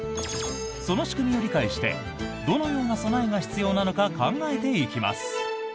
その仕組みを理解してどのような備えが必要なのか考えていきます。